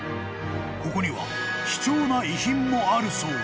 ［ここには貴重な遺品もあるそうで］